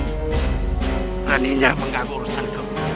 peraninya mengganggu urusan kamu